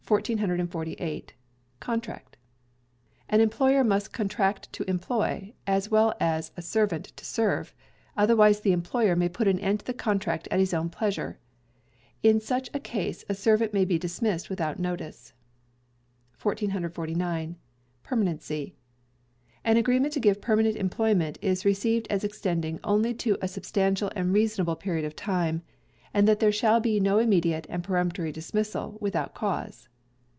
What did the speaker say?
Contract. An employer must Contract to employ, as well as a servant to serve, otherwise the employer may put an end to the contract at his own pleasure. In such a case a servant may be dismissed without notice. 1449. Permanency. An Agreement to give Permanent Employment is received as extending only to a substantial and reasonable period of time, and that there shall be no immediate and peremptory dismissal, without cause.